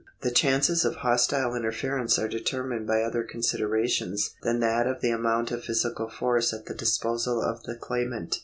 The chances of hostile interference are determined by other considerations than that of the amount of physical force at the disposal of the claimant.